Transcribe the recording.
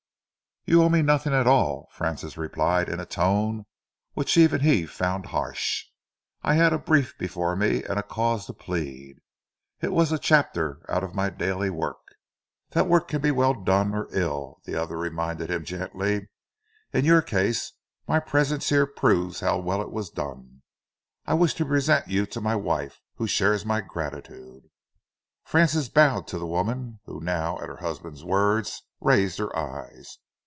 "You owe me nothing at all," Francis replied, in a tone which even he found harsh. "I had a brief before me and a cause to plead. It was a chapter out of my daily work." "That work can be well done or ill," the other reminded him gently. "In your case, my presence here proves how well it was done. I wish to present you to my wife, who shares my gratitude." Francis bowed to the woman, who now, at her husband's words, raised her eyes.